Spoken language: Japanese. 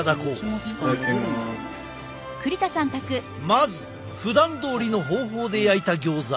まずふだんどおりの方法で焼いたギョーザ。